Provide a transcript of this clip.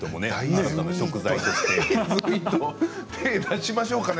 手を出しましょうかね。